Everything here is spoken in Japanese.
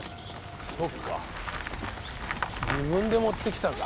そうか自分で持ってきたか？